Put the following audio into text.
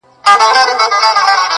د عمر جان صاحبزاده په نامه جوړه کړې وه